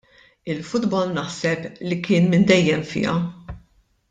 Il-futbol naħseb li kien minn dejjem fija.